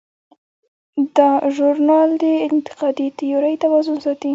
دا ژورنال د انتقادي تیورۍ توازن ساتي.